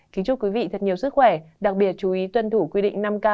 kính chúc quý vị thật nhiều sức khỏe đặc biệt chú ý tuân thủ quy định năm k